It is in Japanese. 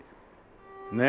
ねえ！